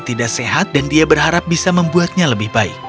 tidak sehat dan dia berharap bisa membuatnya lebih baik